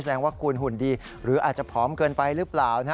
แสดงว่าคุณหุ่นดีหรืออาจจะผอมเกินไปหรือเปล่า